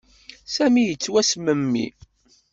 Sami yettwasmemmi.